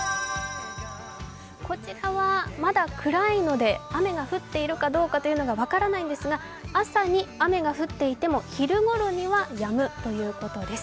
こちらはまだ暗いので雨が降っているかどうかというのが分からないんですが朝に雨が降っていても、昼頃にはやむということです。